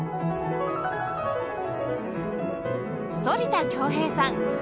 反田恭平さん